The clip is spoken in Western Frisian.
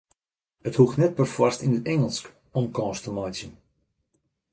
It hoecht net perfoarst yn it Ingelsk om kâns te meitsjen.